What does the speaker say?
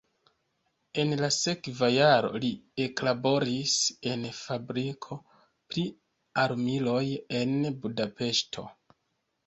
En la sekva jaro li eklaboris en fabriko pri armiloj en Budapeŝto.